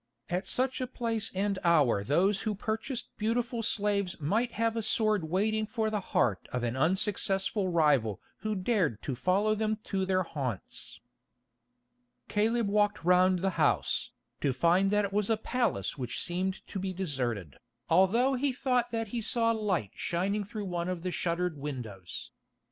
At such a place and hour those who purchased beautiful slaves might have a sword waiting for the heart of an unsuccessful rival who dared to follow them to their haunts. Caleb walked round the house, to find that it was a palace which seemed to be deserted, although he thought that he saw light shining through one of the shuttered windows.